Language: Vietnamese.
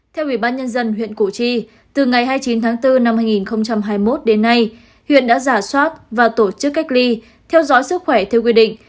theo ubnd huyện củ chi từ ngày hai mươi chín tháng bốn năm hai nghìn hai mươi một đến nay huyện đã giả soát và tổ chức cách ly theo dõi sức khỏe theo quy định